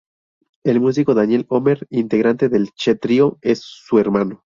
El músico Daniel Homer, integrante del Che Trío, es su hermano.